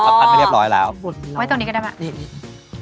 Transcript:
อ๋อทำให้ไม่เรียบร้อยแล้วลงไปตรงนี้ก็ได้มาเนี้ย